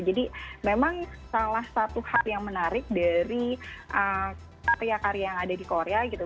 jadi memang salah satu hal yang menarik dari karya karya yang ada di korea gitu